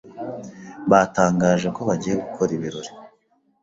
Batangaje ko bagiye gukora ibirori.